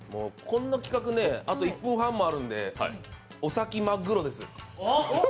こんな企画、あと１分半もあるんでお先まっぐろです。